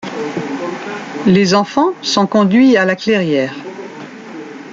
Les enfants sont conduits à La Clairière.